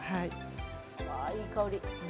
ああ、いい香り！